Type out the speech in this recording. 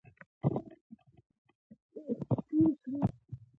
له پښتانه سره حوصله د هېواد د وحدت تر ټولو ښه تومنه ده.